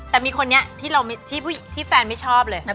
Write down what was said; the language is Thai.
แต่มีคนนี้ที่แฟนไม่ชอบเลย